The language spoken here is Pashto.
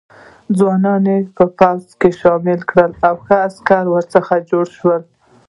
ځوانان یې په پوځ کې شامل کړل او ښه عسکر ورڅخه جوړ شول.